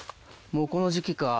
もうこの時季か。